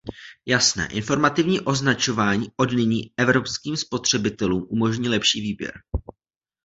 Jasné, informativní označování odnyní evropským spotřebitelům umožní lepší výběr.